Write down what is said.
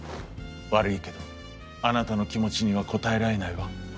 「悪いけどあなたの気持ちには応えられないわ」。